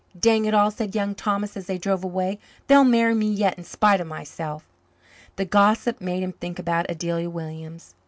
"Dang it all," said Young Thomas, as they drove away, "they'll marry me yet in spite of myself." The gossip made him think about Adelia Williams.